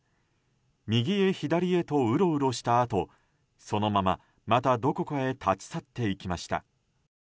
右へ左へとウロウロしたあとそのまま、またどこかへ立ち去っていきました。